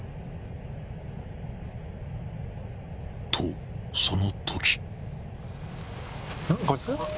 ［とそのとき］